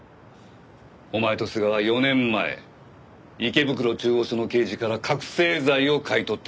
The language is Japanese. お前と須賀は４年前池袋中央署の刑事から覚醒剤を買い取った。